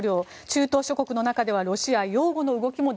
中東諸国の中にはロシア擁護の動きも